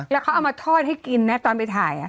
แล้วเขาเอามาทอดให้กินนะตอนไปถ่าย